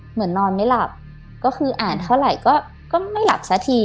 นอนไม่หลับก็คืออ่านเท่าไหร่ก็ไม่หลับซะที